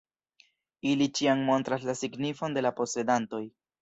Ili ĉiam montras la signifon de la posedantoj.